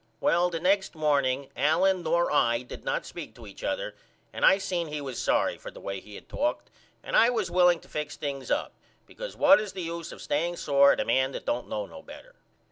Well the next morning Allen nor I did not speak to each other and I seen he was sorry for the way he had talked and I was willing to fix things up because what is the use of staying sore at a man that don't know no better.